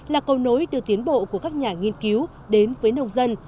là cầu nối đưa tiến bộ của các nhà nghiên cứu đến với nông dân